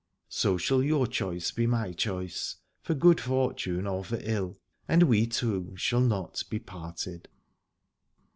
So shall your choice be my choice, for good fortune or for ill, and we two shall not be parted.